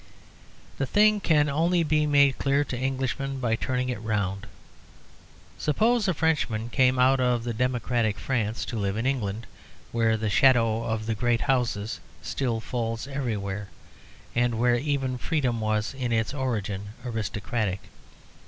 The thing can only be made clear to Englishmen by turning it round. Suppose a Frenchman came out of democratic France to live in England, where the shadow of the great houses still falls everywhere, and where even freedom was, in its origin, aristocratic.